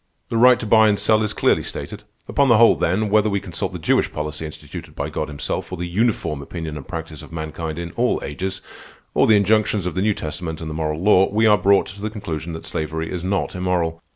The right to buy and sell is clearly stated. Upon the whole, then, whether we consult the Jewish policy instituted by God himself, or the uniform opinion and practice of mankind in all ages, or the injunctions of the New Testament and the moral law, we are brought to the conclusion that slavery is not immoral.